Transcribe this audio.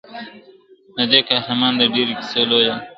ددې قهرماني تر ډېرو کیسو لویه ده.